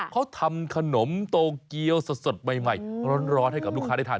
เขาทำขนมโตเกียวสดใหม่ร้อนให้กับลูกค้าได้ทาน